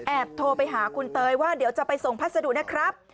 โทรไปหาคุณเตยว่าเดี๋ยวจะไปส่งพัสดุนะครับ